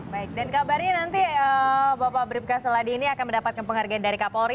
baik dan kabarnya nanti bapak bribka seladi ini akan mendapatkan penghargaan dari kapolri